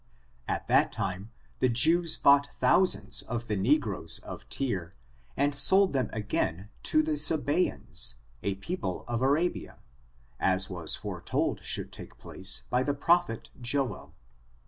At that time, the Jews bought thousands of the ne groes of Tyre, and sold them again to the Sabeans^ a people of Arabia, as was foretold should take place by the prophet Joel.